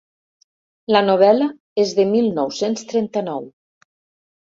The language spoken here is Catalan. La novel·la és de mil nou-cents trenta-nou.